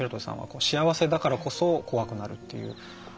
幸せだからこそ怖くなるという。